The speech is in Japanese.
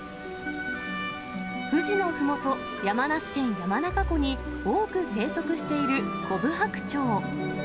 富士のふもと、山梨県山中湖に多く生息しているコブハクチョウ。